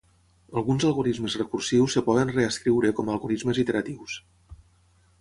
Alguns algorismes recursius es poden reescriure com algorismes iteratius.